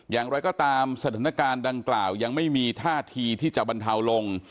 อย่างไรก็ตามสถานการณ์ดังกล่าวยังไม่มีท่าทีที่จะบรรเทาลง